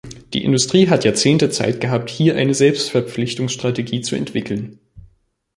Die Industrie hat Jahrzehnte Zeit gehabt, hier eine Selbstverpflichtungsstrategie zu entwickeln.